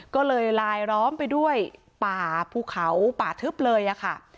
ก็เลยลายล้อมไปด้วยป่าภูเขาป่าทึบเลยค่ะ